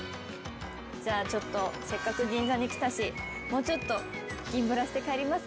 じゃあ、ちょっとせっかく銀座に来たしもうちょっと銀ブラして帰りますか。